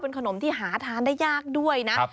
ขนมที่หาทานได้ยากด้วยนะ